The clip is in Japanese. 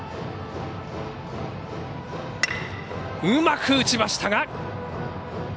うまく打ちましたが。